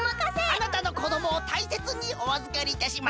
あなたのこどもをたいせつにおあずかりいたします。